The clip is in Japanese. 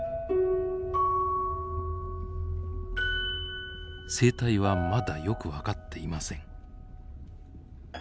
生態はまだよく分かっていません。